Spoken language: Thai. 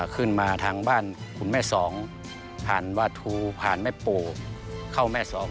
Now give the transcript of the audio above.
ขึ้นมาทางบ้านคุณแม่สองผ่านวาทูผ่านแม่ปู่เข้าแม่สอง